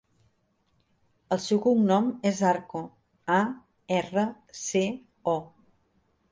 El seu cognom és Arco: a, erra, ce, o.